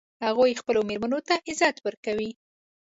هغوی خپلو میرمنو ته عزت ورکوي